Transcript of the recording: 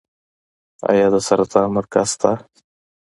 آیا د سرطان مرکز شته؟